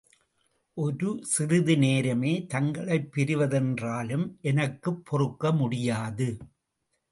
ஒரு சிறிது நேரமே தங்களைப் பிரிவதென்றாலும் எனக்குப் பொறுக்க முடியாது.